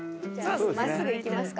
真っすぐ行きますか。